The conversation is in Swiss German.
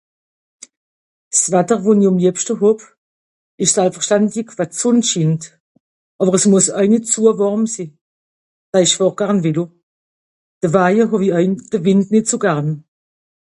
s'watter won'i am liebschte hàb esch salbverstàndig wa d'sonn schient awer a s'muss aw nìt zue warm sìn wail esch fàhr garn vélo dewaije hawie euw de Wìnd nìt so garn